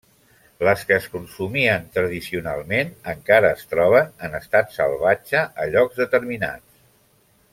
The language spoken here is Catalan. Les que es consumien tradicionalment encara es troben en estat salvatge a llocs determinats.